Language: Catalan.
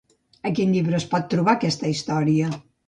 A quin llibre es pot trobar aquesta història?